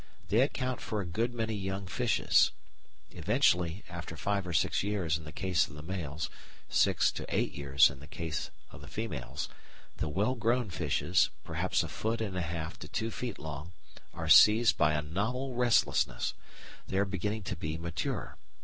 They account for a good many young fishes. Eventually, after five or six years in the case of the males, six to eight years in the case of the females, the well grown fishes, perhaps a foot and a half to two feet long, are seized by a novel restlessness. They are beginning to be mature.